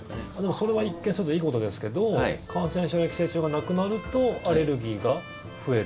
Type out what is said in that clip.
それは一見するといいことですけど感染症や寄生虫がなくなるとアレルギーが増える？